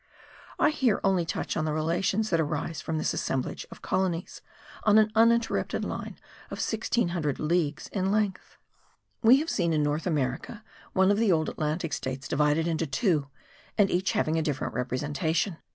I here only touch on the relations that arise from this assemblage of colonies on an uninterrupted line of 1600 leagues in length. We have seen in North America, one of the old Atlantic states divided into two, and each having a different representation.